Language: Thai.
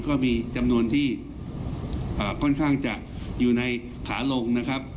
ก็มีจำนวนที่ค่อนข้างจะอยู่ในขาลงนะครับ